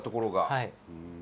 はい。